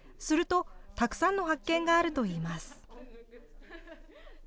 すると、たくさんの発見があるといいます。